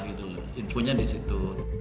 infonya di situ